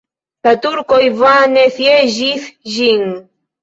La turkoj vane sieĝis ĝin.